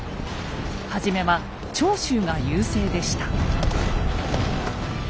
初めは長州が優勢でした。